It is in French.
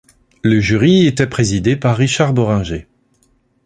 Le jury était présidé par Richard Bohringer.